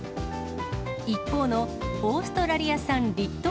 一方のオーストラリア産立冬